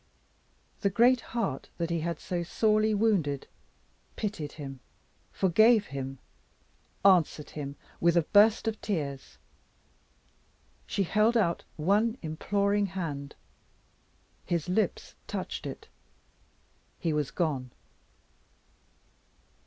The great heart that he had so sorely wounded pitied him, forgave him, answered him with a burst of tears. She held out one imploring hand. His lips touched it he was gone.